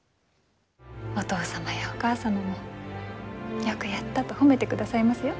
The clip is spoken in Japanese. お義父やお義母様も「よくやった」と褒めてくださいますよ。